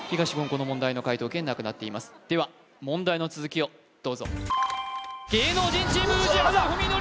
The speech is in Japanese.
この問題の解答権なくなっていますでは問題の続きをどうぞ芸能人チーム宇治原史規